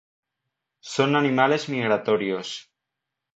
Son animales migratorios.